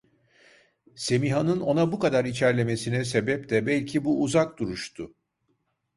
Semiha’nın ona bu kadar içerlemesine sebep de belki bu uzak duruştu.